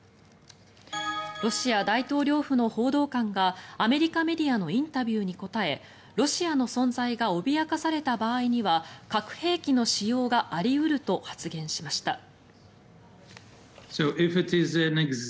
ロシア大統領府の報道官がアメリカメディアのインタビューに答えロシアの存在が脅かされた場合には核兵器の使用があり得ると発言しました。